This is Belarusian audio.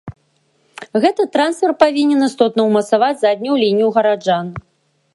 Гэты трансфер павінен істотна ўмацаваць заднюю лінію гараджан.